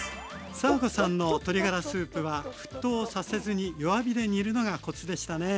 佐和子さんの鶏ガラスープは沸騰させずに弱火で煮るのがコツでしたね。